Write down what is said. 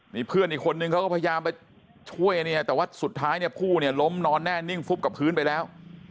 นี่เพื่อนอีกคนนึงเขาก็พยายามไปช่วยเนี่ยแต่ว่าสุดท้ายเนี่ยผู้เนี่ยล้มนอนแน่นิ่งฟุบกับพื้นไปแล้ว